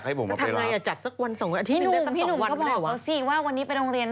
ไม่เคยได้ไปรับเขาที่โรงเรียน